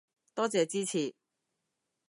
多謝支持